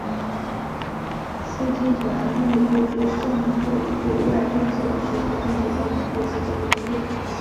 枢机团内部对圣座对外政策的持续分歧造成这次教会分裂。